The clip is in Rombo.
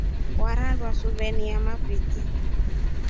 Warandwa suveta yamafi?